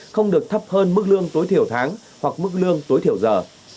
không được thấp hơn mức lương tối thiểu tháng hoặc mức lương tối thiểu giờ